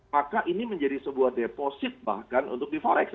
maka ini menjadi sebuah deposit bahkan untuk di forex